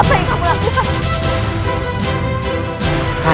apa yang kamu lakukan